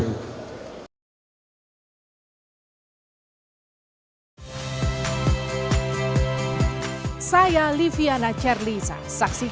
berarti ada kemungkinan besar juga bakal